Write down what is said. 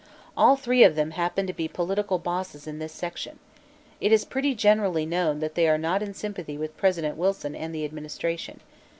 All three of them happen to be political bosses in this section. It is pretty generally known that they are not in sympathy with President Wilson and the administration.